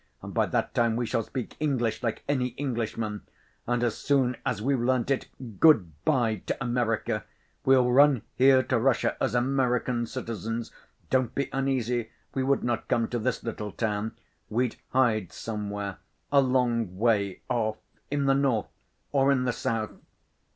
And by that time we shall speak English like any Englishman. And as soon as we've learnt it—good‐by to America! We'll run here to Russia as American citizens. Don't be uneasy—we would not come to this little town. We'd hide somewhere, a long way off, in the north or in the south.